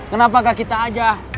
kenapakah kita aja